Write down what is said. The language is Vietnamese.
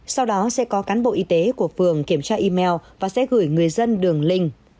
sau đó sẽ có cán bộ y tế của phường kiểm tra email và sẽ gửi người dân đường link